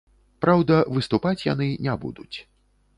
Праўда, выступаць яны не будуць.